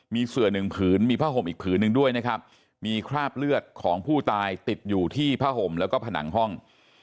มีเสือหนึ่งผืนมีผ้าห่มอีกผืนหนึ่งด้วยนะครับมีคราบเลือดของผู้ตายติดอยู่ที่ผ้าห่มแล้วก็ผนังห้อง